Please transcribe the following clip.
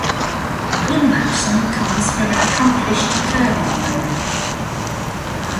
Gunnlaugson comes from an accomplished curling family.